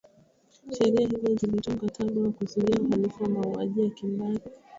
sheria hizo ziliitwa mkataba wa kuzuia uhalifu wa mauaji ya kimbari